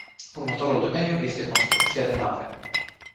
Următorul domeniu este construcția de nave.